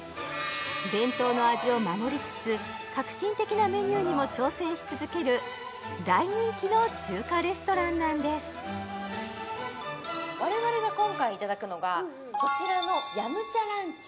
伝統の味を守りつつ革新的なメニューにも挑戦し続ける大人気の中華レストランなんです我々が今回いただくのがこちらの飲茶ランチ